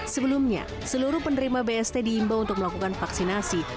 sebelumnya seluruh penerima bst diimbau untuk melakukan vaksinasi